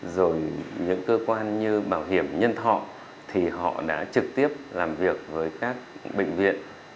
rồi những cơ quan như bảo hiểm nhân thọ thì họ đã trực tiếp làm việc với các bệnh viện